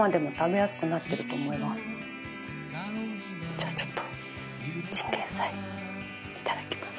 じゃあちょっとチンゲンサイいただきます。